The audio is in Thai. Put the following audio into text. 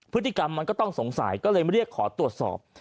พฤติกรรมมันก็ต้องสงสัยก็เลยมาเรียกขอตรวจสอบ